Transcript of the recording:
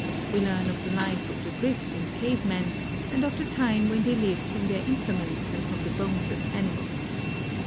We learn of the life of the Drift and Cave men and of the time when they lived from their implements and from the bones of animals.